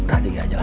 udah tiga aja lah